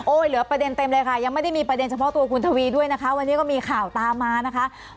เหลือประเด็นเต็มเลยค่ะยังไม่ได้มีประเด็นเฉพาะตัวคุณทวีด้วยนะคะวันนี้ก็มีข่าวตามมานะคะ